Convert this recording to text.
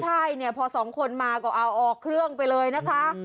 ใช่เนี่ยพอสองคนมาก็เอาออกเครื่องไปเลยนะคะ